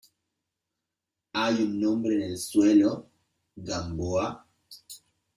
hay un hombre en el suelo .¿ Gamboa ?